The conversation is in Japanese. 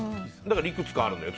いくつかあるんですよ。